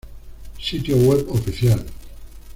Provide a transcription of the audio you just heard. Sitio web oficial.